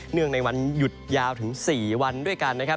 งในวันหยุดยาวถึง๔วันด้วยกันนะครับ